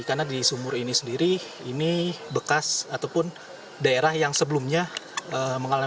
karena di sumur ini sendiri ini bekas ataupun daerah yang sebelumnya diterjang sunam